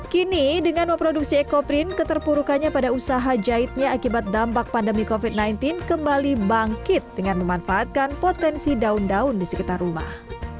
kini dengan memproduksi ekoprint keterpurukannya pada usaha jahitnya akibat dampak pandemi covid sembilan belas kembali bangkit dengan memanfaatkan potensi daun daun di sekitar rumah